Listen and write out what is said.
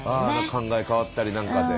考え変わったりなんかで。